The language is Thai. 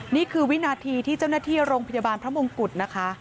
นี่คือวินาทีที่เจ้าหน้าที่โรงพยาบาลพระมงกุฎนะคะ